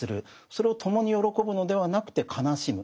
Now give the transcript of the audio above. それを共に喜ぶのではなくて悲しむ。